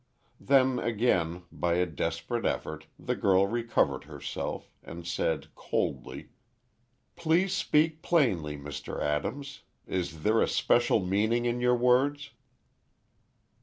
Then again, by a desperate effort the girl recovered herself, and said, coldly, "Please speak plainly, Mr. Adams. Is there a special meaning in your words?"